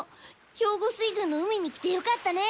兵庫水軍の海に来てよかったね。